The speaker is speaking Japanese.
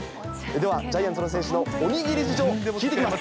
では、ジャイアンツの選手のおにぎり事情、聞いてきます。